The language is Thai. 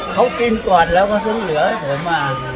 ครบกินกว่าแล้วแล้วเพราะฉันเหลือเเผยมาก